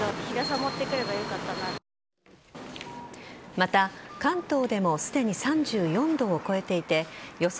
また、関東でもすでに３４度を超えていて予想